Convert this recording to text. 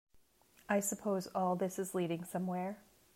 I suppose all this is leading somewhere?